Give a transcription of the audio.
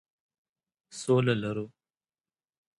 سوله لرو.